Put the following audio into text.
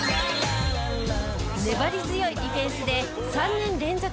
粘り強いディフェンスで３年連続